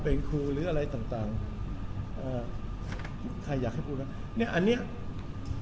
เป็นครูหรืออะไรต่างอยากให้พูดอ่ะเนี้ยอันเนี้ยมันเป็น